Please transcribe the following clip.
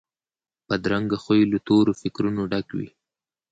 بدرنګه خوی له تورو فکرونو ډک وي